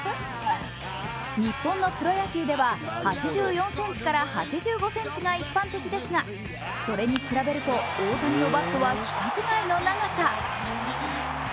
日本のプロ野球では８４ｃｍから８５ｃｍが一般的ですがそれに比べると大谷のバットは規格外の長さ。